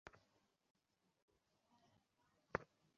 যাদের নিয়ে আসা হচ্ছে, তাদের পরনে লুঙ্গি, গেঞ্জি অথবা খালি গা।